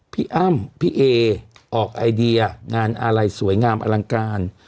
พี่อ้ำพี่เอออกไอเดียงานอะไรสวยงามอลังการ